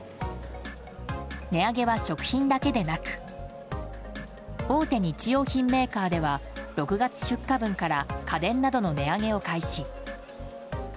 値上げは食品だけでなく大手日用品メーカーでは６月出荷分から家電などの値上げを開始。